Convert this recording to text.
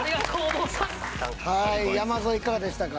はい山添いかがでしたか？